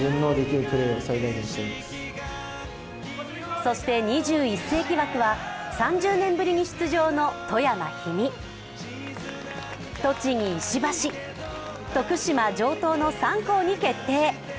そして２１世紀枠は、３０年ぶりに出場の富山・氷見、栃木・石橋、徳島・城東の３校に決定。